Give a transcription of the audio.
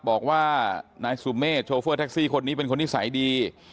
บอกว่านายสุเมฆโชเฟอร์แท็กซี่คนนี้เป็นคนนิสัยดี